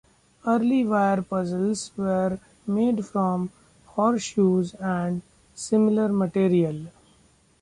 Early wire puzzles were made from horseshoes and similar material.